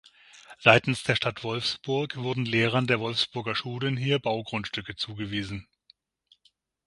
Seitens der Stadt Wolfsburg wurden Lehrern der Wolfsburger Schulen hier Baugrundstücke zugewiesen.